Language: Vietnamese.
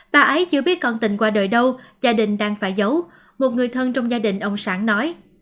bà ái chưa biết con tình qua đời đâu gia đình đang phải giấu một người thân trong gia đình ông sản nói